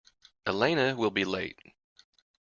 Elena will be late.